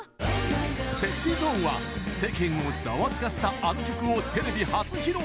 ＳｅｘｙＺｏｎｅは世間をザワつかせたあの曲をテレビ初披露！